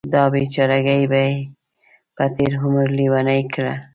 دا بیچارګۍ یې په تېر عمر لیونۍ کړه.